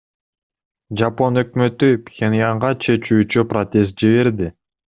Жапон өкмөтү Пхеньянга чечүүчү протест жиберди.